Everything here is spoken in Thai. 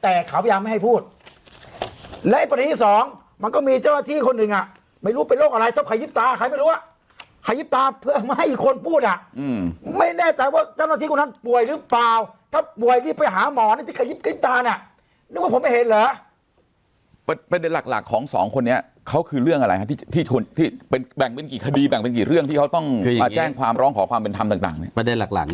แล้วผู้ใหญ่บ้านคุณไปให้ผู้ช่วย๒คนของคุณเองใช่ค่ะ